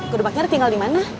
gerobaknya udah tinggal di mana